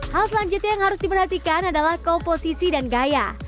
hal selanjutnya yang harus diperhatikan adalah komposisi dan gaya